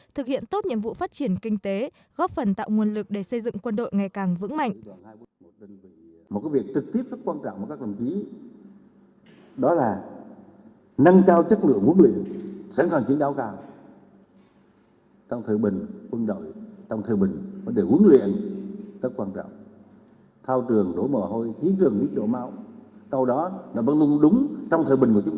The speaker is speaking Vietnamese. thực hiện tốt nhiệm vụ phát triển kinh tế góp phần tạo nguồn lực để xây dựng quân đội ngày càng vững mạnh